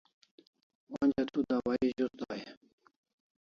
Onja tu dawahi zus dai e?